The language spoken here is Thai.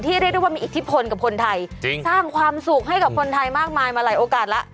เรียกได้ว่ามีอิทธิพลกับคนไทยจริงสร้างความสุขให้กับคนไทยมากมายมาหลายโอกาสแล้ว